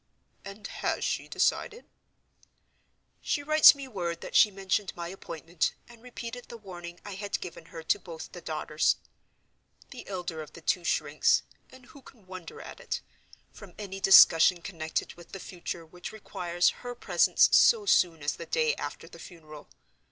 "And has she decided?" "She writes me word that she mentioned my appointment, and repeated the warning I had given her to both the daughters. The elder of the two shrinks—and who can wonder at it?—from any discussion connected with the future which requires her presence so soon as the day after the funeral.